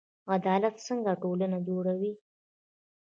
عدالت څنګه ټولنه جوړوي؟